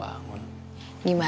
enggak enggak enggak enggak enggak